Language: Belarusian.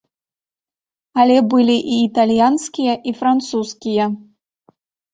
Але былі і італьянскія, і французскія.